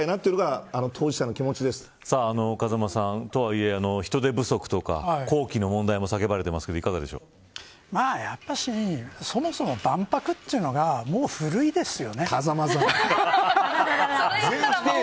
そういうものだという前提でちょっとご理解いただきたいなというのが風間さんとはいえ人手不足とか工期の問題も叫ばれていますがやっぱりそもそも万博というのがもう古いですよね。